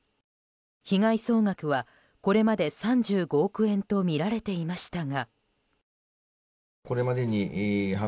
被害総額はこれまで３５億円とみられていましたが。